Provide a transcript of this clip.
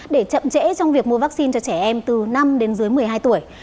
để chậm trễ trong việc mua vaccine cho trẻ em từ năm đến dưới một mươi hai tuổi